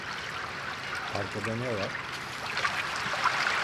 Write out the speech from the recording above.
Arkada ne var?